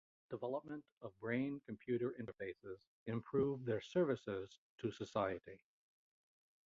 Development of brain-computer interfaces improved their services to society.